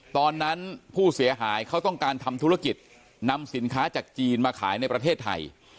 ตอนนั้นผู้เสียหายเขาต้องการทำธุรกิจนำสินค้าจากจีนมาขายในประเทศไทย